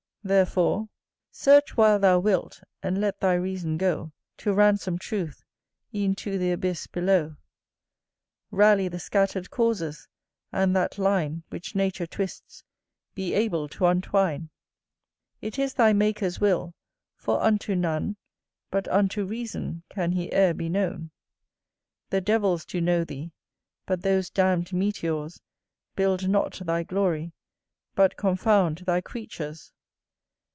Therefore, [D] "Γνῶθι σεαυτὸν." "Nosce teipsum." Search while thou wilt; and let thy reason go, To ransom truth, e'en to th' abyss below; Rally the scatter'd causes; and that line Which nature twists be able to untwine. It is thy Maker's will; for unto none But unto reason can he e'er be known. The devils do know thee; but those damn'd meteors Build not thy glory, but confound thy creatures.